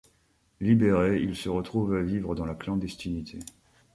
Libéré, il se retrouve à vivre dans la clandestinité.